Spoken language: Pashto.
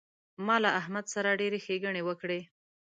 زه له احمد سره ډېرې ښېګڼې وکړې.